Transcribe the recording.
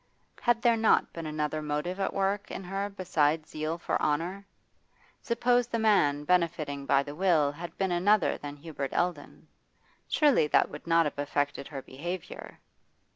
Had there not been another motive at work in her besides zeal for honour? Suppose the man benefiting by the will had been another than Hubert Eldon? Surely that would not have affected her behaviour?